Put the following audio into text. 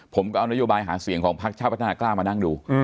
ผมก็เอานโยบายหาเสียงของพักชาติพัฒนากล้ามานั่งดู